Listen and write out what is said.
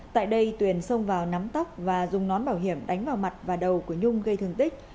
tại đây tuyền xông vào nắm tóc và dùng nón bảo hiểm đánh vào mặt và đầu của nhung gây thương tích